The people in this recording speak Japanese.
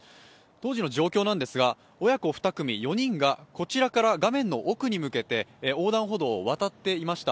当時の状況なんですが、親子２組４人がこちらから画面の奥に向けて横断歩道を渡っていました。